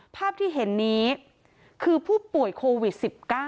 ภาพที่เห็นนี้คือผู้ป่วยโควิด๑๙